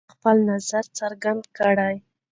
بیا خپل نظر څرګند کړئ.